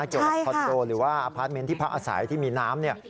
เกี่ยวกับคอโต้หรือว่าอพาร์ตเมนต์ที่พักอาศัยที่มีน้ำ